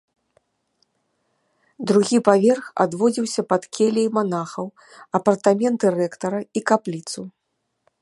Другі паверх адводзіўся пад келлі манахаў, апартаменты рэктара і капліцу.